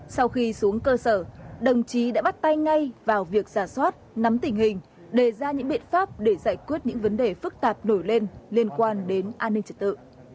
sau khi xuống cơ sở đồng chí đã bắt tay ngay vào việc giả soát nắm tình hình đề ra những biện pháp để giải quyết những vấn đề phức tạp nổi lên liên quan đến an ninh trật tự